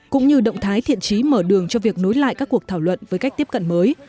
cũng như động thái thiện trí mở đường cho việc nối lại các cuộc thảo luận với cách tiếp cận mới